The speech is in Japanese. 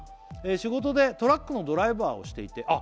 「仕事でトラックのドライバーをしていて」